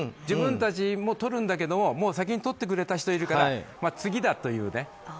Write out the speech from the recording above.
自分たちもとるんだけれども先にとってくれた人がいるから次だという。